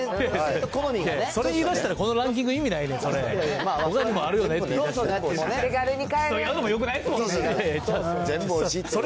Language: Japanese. それ言いだしたら、このランキング意味ないねん、それ。